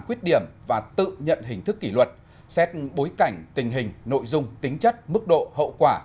khuyết điểm và tự nhận hình thức kỷ luật xét bối cảnh tình hình nội dung tính chất mức độ hậu quả